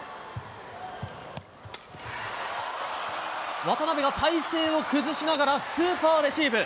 渡辺が体勢を崩しながらスーパーレシーブ。